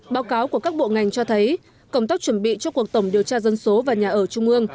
báo cáo của các bộ ngành cho thấy công tác chuẩn bị cho cuộc tổng điều tra dân số và nhà ở trung ương